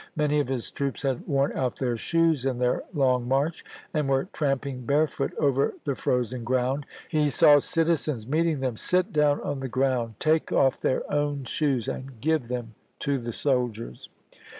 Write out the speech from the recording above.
Many of his troops had worn out their shoes in their long march, and were tramping barefoot over the frozen gi'ound. He saw citizens, meeting them, sit down on the "National ground, take off their own shoes and give them to oct. d^m. the soldiers.